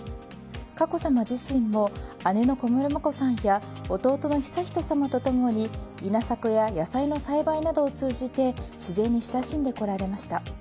佳子さま自身も姉の小室眞子さんや弟の悠仁さまと共に稲作や野菜の栽培などを通じて自然に親しんでこられました。